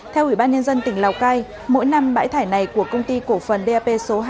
theo ủy ban nhân dân tỉnh lào cai mỗi năm bãi thải này của công ty cổ phần dap số hai